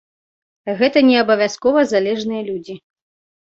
Гэта не абавязкова залежныя людзі.